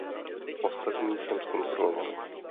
Ostatní jsem zkontroloval.